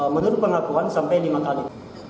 menurut pengakuan sampai lima kali